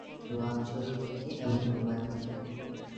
রোয়াংছড়ি থেকে এবং রুমা থেকে।